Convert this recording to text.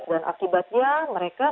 dan akibatnya mereka